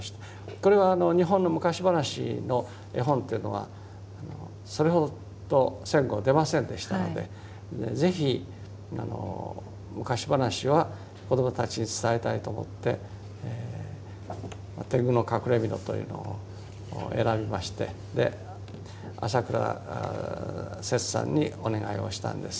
これは日本の昔話の絵本というのはそれほど戦後出ませんでしたので是非昔話は子どもたちに伝えたいと思って「てんぐのかくれみの」というのを選びまして朝倉摂さんにお願いをしたんです。